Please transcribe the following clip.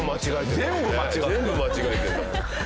全部間違えてる。